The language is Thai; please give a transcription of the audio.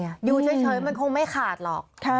อยู่เฉยมันคงไม่ขาดหรอก